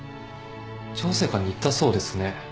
調整官に言ったそうですね。